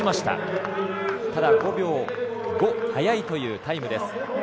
ただ、５秒５早いというタイムです。